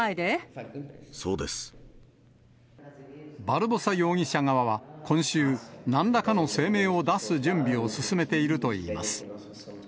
バルボサ容疑者側は、今週、なんらかの声明を出す準備を進めているといいます。